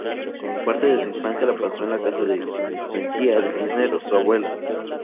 Parte de su infancia la pasó en casa de Mencía de Cisneros, su abuela.